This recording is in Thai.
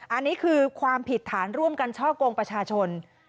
อันนี้คือความผิดฐานร่วมกันช่อกงประชาชน